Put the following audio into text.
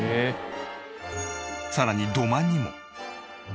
さらに土間にも。